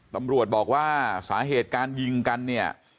ตำรวจบอกว่าสาเหตุการยิงกันเนี่ย